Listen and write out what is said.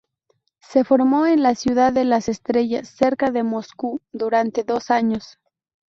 Se formó en la Ciudad de las Estrellas, cerca de Moscú, durante dos años.